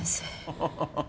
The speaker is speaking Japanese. ハハハハ。